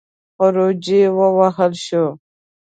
خروجی ووهه شو.